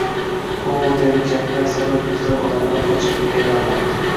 Kongodagi janglar sabab yuzlab odamlar qochqinga aylanmoqdang